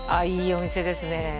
いいお店ですね